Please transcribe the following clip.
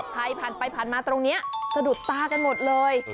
ผ่านไปผ่านมาตรงนี้สะดุดตากันหมดเลย